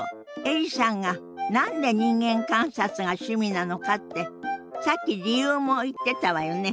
エリさんが何で人間観察が趣味なのかってさっき理由も言ってたわよね。